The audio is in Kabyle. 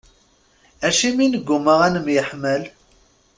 Acimi neggumma ad nemyeḥmal?